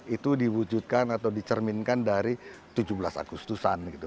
itu diwujudkan atau dicerminkan dari tujuh belas agustusan gitu